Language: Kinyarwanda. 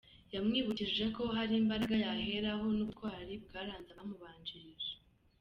Yamwibukije ko hari imbaraga yaheraho n’ubutwari bwaranze abamubanjirije.